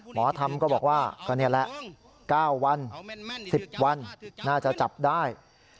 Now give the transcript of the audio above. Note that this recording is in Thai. หมอธรรมก็บอกว่าก็นี่แหละ๙วัน๑๐วันน่าจะจับได้